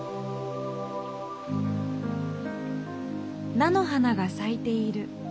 菜の花がさいている。